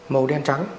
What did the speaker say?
màu đen trắng